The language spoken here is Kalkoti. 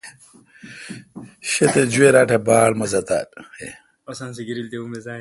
شہ تے جویراٹ اے° باڑ مزہ تھال۔